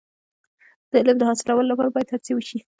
د علم د حاصلولو لپاره باید هڅې وشي.